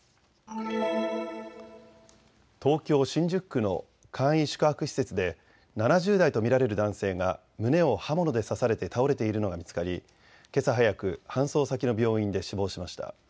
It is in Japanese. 東京新宿区の簡易宿泊施設で７０代と見られる男性が胸を刃物で刺されて倒れているのが見つかりけさ早く、搬送先の病院で死亡しました。